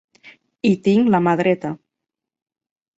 I tinc la mà dreta.